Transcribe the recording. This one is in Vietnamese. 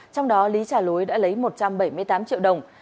trong đó lý trả lối đã lấy một trăm bảy mươi tám triệu đồng